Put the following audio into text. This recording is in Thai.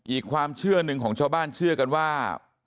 อีกความเชื่อหนึ่งของชาวบ้านเชื่อกันว่า